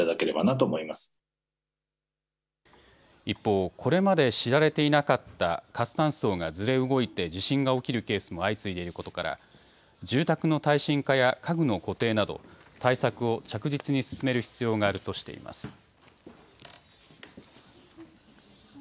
一方、これまで知られていなかった活断層がずれ動いて地震が起きるケースも相次いでいることから住宅の耐震化や家具の固定など対策を着実に進める必要があるとしています。